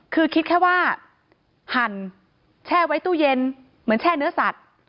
คือคิดแค่ว่าหั่นแช่ไว้ตู้เย็นเหมือนแช่เนื้อสัตว์